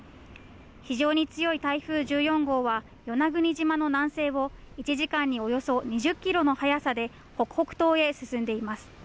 非常に強い台風１４号は与那国島の南西を１時間におよそ２０キロの速さで北北東へ進んでいます。